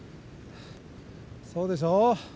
そうでしょう。